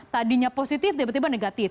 tadinya positif tiba tiba negatif